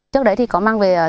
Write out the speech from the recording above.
trước đấy thì có mang về